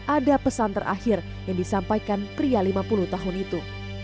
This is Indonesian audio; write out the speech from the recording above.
ada pesan terakhir yang disampaikan pria lima puluh tahun itu